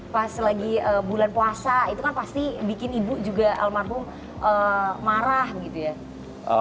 pas lagi bulan puasa itu kan pasti bikin ibu juga almarhum marah gitu ya